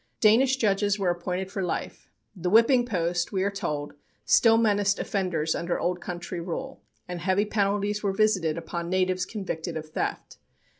Danish judges were appointed for life. The whipping post, we are told, still menaced offenders under Old Country rule, and heavy penalties were visited upon natives convicted of theft.